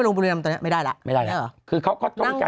บุรีรำตอนนี้ไม่ได้แล้วไม่ได้แล้วคือเขาก็ต้องมีการ